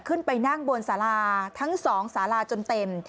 ขึ้นไปนั่งบนสาราทั้งสองสาราจนเต็ม